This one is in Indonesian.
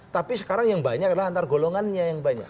tapi sekarang yang banyak adalah antar golongannya yang banyak